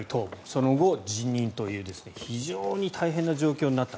その後、辞任という非常に大変な状況になった。